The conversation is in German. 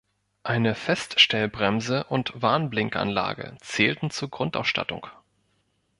Eine Feststellbremse und Warnblinkanlage zählten zur Grundausstattung.